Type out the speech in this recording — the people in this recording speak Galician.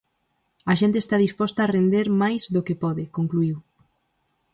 "A xente está disposta a render máis do que pode", concluíu.